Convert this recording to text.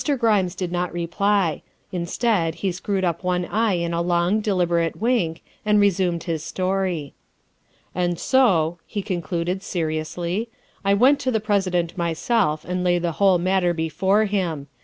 Grimes did not reply. Instead, he screwed up one eye in a long, deliberate wink, and resumed his story. "And so," he concluded seriously, " I went to the President myself and laid the whole matter before him.